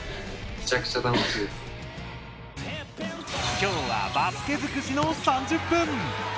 きょうはバスケ尽くしの３０分！